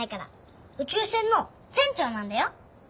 宇宙船の船長なんだよ。